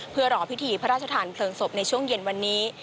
เพื่อรอพิธีพระราชทานเพลิงศพในช่วงเย็นวันนี้